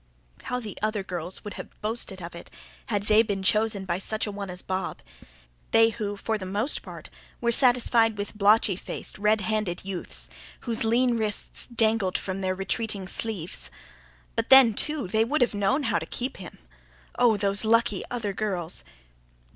How the other girls would have boasted of it, had they been chosen by such a one as Bob! they who, for the most part, were satisfied with blotchy faced, red handed youths, whose lean wrists dangled from their retreating sleeves. But then, too, they would have known how to keep him. Oh, those lucky other girls!